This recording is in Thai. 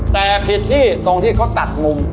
แต่ผิดที่ตรงที่เขาตัดมุม